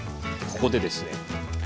ここでですね